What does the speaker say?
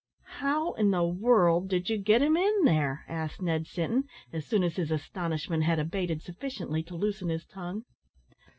"How in the world did you get him in there?" asked Ned Sinton, as soon as his astonishment had abated sufficiently to loosen his tongue.